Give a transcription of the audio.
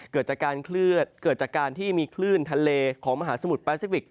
เกิดจากการเคลื่อนเกิดจากการที่มีคลื่นทะเลของมหาสมุทรแปซิฟิก